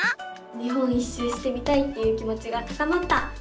日本一周してみたいっていう気もちが高まった！